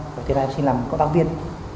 rồi thế là em xin làm công tác viên